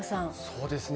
そうですね。